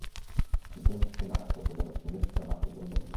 কিন্তু সে নানারূপের প্রজাপতি সেজে তার মাথার উপর উড়তে থাকে।